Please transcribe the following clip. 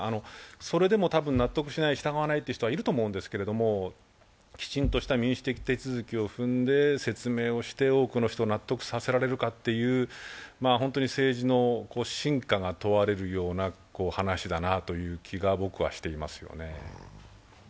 それでも多分、納得しない、従わない人はいると思うんですけど、きちんとした民主的手続きを踏んで説明をして多くの人を納得させられるかという、政治の真価が問われるような話だなという気が僕はしてます。